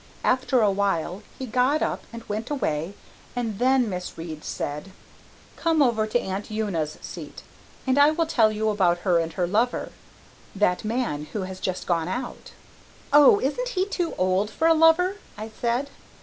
After awhile he got up and went away and then Miss Reade said, 'Come over to Aunt Una's seat and I will tell you about her and her lover that man who has just gone out.' "'Oh, isn't he too old for a lover?' I said.